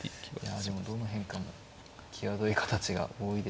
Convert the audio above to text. いやでもどの変化も際どい形が多いですね。